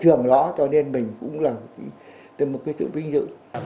trường lõ cho nên mình cũng là một cái thượng vinh dự